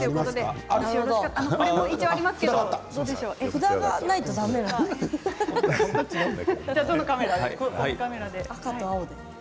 札がないとだめなんだ。